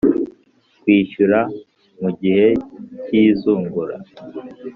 kwishyura mu gihe cy izungura